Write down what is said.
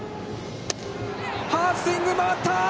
ハーフスイング、回ったー！